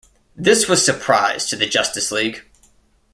This was surprise to the Justice League.